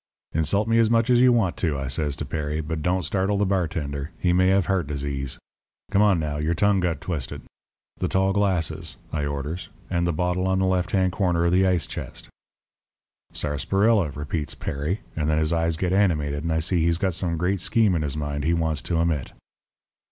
"'Insult me as much as you want to,' I says to Perry, 'but don't startle the bartender. He may have heart disease. Come on, now; your tongue got twisted. The tall glasses,' I orders, 'and the bottle in the left hand corner of the ice chest.' "'Sarsaparilla,' repeats Perry, and then his eyes get animated, and I see he's got some great scheme in his mind he wants to emit.